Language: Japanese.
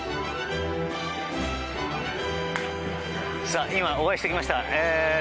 さあ、今お会いしてきました。